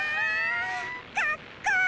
かっこいい！